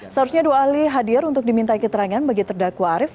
seharusnya dua ahli hadir untuk dimintai keterangan bagi terdakwa arief